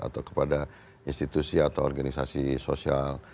atau kepada institusi atau organisasi sosial